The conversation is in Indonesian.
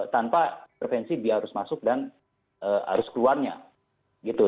tanpa intervensi dia harus masuk dan harus keluarnya gitu